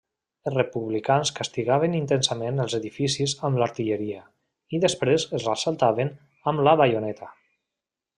Els republicans castigaven intensament els edificis amb l'artilleria i després els assaltaven amb la baioneta.